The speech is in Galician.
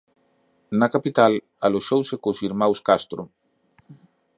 Na capital aloxouse cos irmáns Castro.